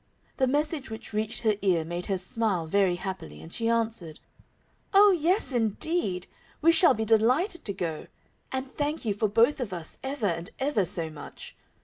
The message which reached her ear made her smile very happily, and she answered, "Oh, yes, indeed, we shall be delighted to go, and thank you for both of us ever and ever so much.